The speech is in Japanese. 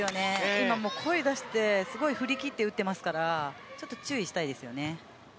今、声出してすごい振り切って打ってますから注意したいですよね。